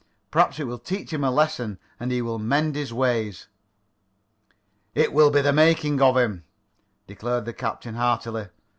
Perhaps it will teach him a lesson, and he will mend his ways." "It will be the making of him," declared the captain heartily.